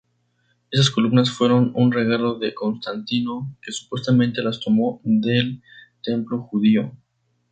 Estas columnas fueron un regalo de Constantino que supuestamente las tomó del templo judío.